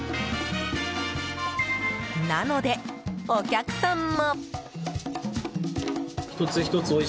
なので、お客さんも。